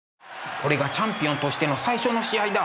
これがチャンピオンとしての最初の試合だ。